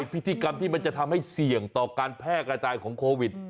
พิธีกรรมที่มันจะทำให้เสี่ยงต่อการแพร่กระจายของโควิด